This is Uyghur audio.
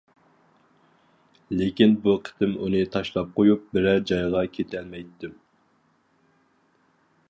لېكىن، بۇ قېتىم ئۇنى تاشلاپ قويۇپ بىرەر جايغا كېتەلمەيتتىم.